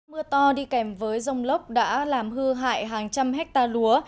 mưa to đi kèm với rông lốc đã làm hư hại hàng trăm hectare lúa